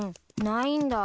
ないんだ。